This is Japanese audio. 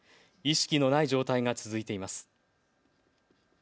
意識のない状態が続いています。